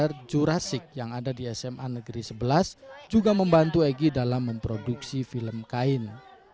ster jurasik yang ada di sma negeri sebelas juga membantu egy dalam memproduksi film kain